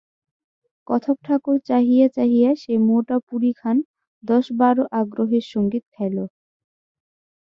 কথকঠাকুর চাহিয়া চাহিয়া সেই মোটা পুরী খান দশ-বারো আগ্রহের সহিত খাইল।